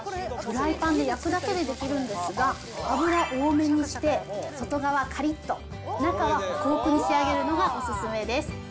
フライパンで焼くだけでできるんですが、油多めにして、外側かりっと、中はほくほくに仕上げるのがおすすめです。